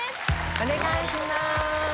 お願いしまーす。